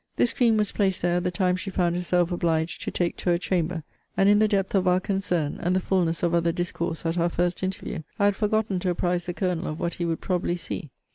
This screen was placed there at the time she found herself obliged to take to her chamber; and in the depth of our concern, and the fulness of other discourse at our first interview, I had forgotten to apprize the Colonel of what he would probably see.